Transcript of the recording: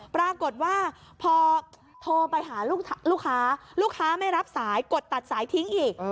ปรากฏว่าพอโทรไปหาลูกค้าลูกค้าไม่รับสายกดตัดสายทิ้งอีก